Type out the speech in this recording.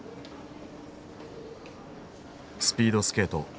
スピードスケート